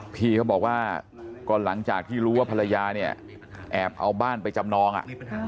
พี่เขาบอกว่าก็หลังจากที่รู้ว่าภรรยาเนี่ยแอบเอาบ้านไปจำนองอ่ะ